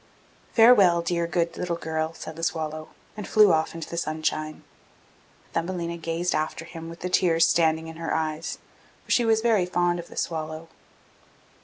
'Farewell, dear good little girl!' said the swallow, and flew off into the sunshine. Thumbelina gazed after him with the tears standing in her eyes, for she was very fond of the swallow.